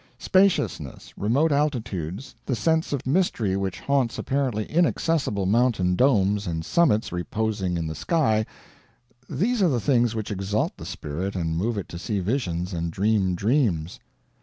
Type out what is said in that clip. Spaciousness, remote altitudes, the sense of mystery which haunts apparently inaccessible mountain domes and summits reposing in the sky these are the things which exalt the spirit and move it to see visions and dream dreams.